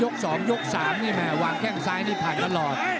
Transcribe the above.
ยกสองยกสามนี่แม่วางแค่งซ้ายนี่ผ่านตลอด